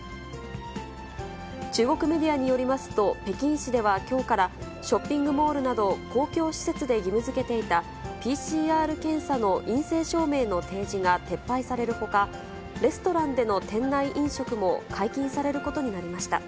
中国メディアによりますと、北京市ではきょうから、ショッピングモールなど公共施設で義務づけていたＰＣＲ検査の陰性証明の提示が撤廃されるほか、レストランでの店内飲食も解禁されることになりました。